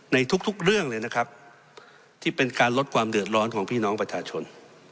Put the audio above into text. ในทุกเรื่องเลยนะครับที่เป็นการลดความเดือดร้อนของพี่น้องประชาชน